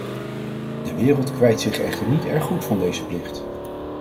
De wereld kwijt zich echter niet erg goed van deze plicht.